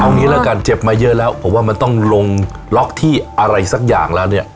เอางี้แล้วกันเจ็บมาเยอะแล้วผมว่ามันต้องลงล็อกที่อะไรสักอย่างแล้วเนี่ย